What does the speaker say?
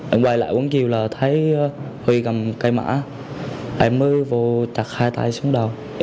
em quay lại vũng chiều là thấy huy cầm cây mã em mới vô chặt hai tay xuống đầu